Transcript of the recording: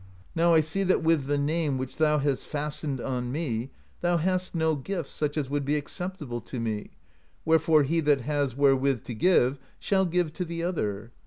Now I see that with the name which thou has fastened on me, thou hast no gift such as would be acceptable to me, wherefore he that has wherewith to give shall give to the other.'